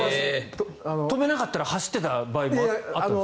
止めなかったら走っていた場合もあったんですか。